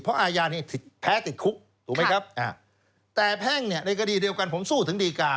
เพราะอาญานี้แพ้ติดคุกถูกไหมครับแต่แพ่งเนี่ยในคดีเดียวกันผมสู้ถึงดีการ